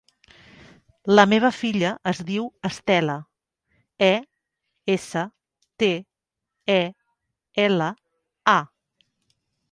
La meva filla es diu Estela: e, essa, te, e, ela, a.